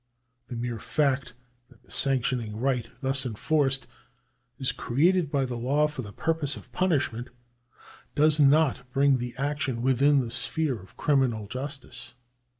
The mere fact that the sanctioning right thus enforced is created by the law for the purpose of punishment does not bring the action within the sphere of criminal justice.